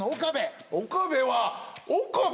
岡部は岡部？